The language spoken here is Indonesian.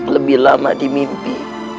lebih lama di mimpi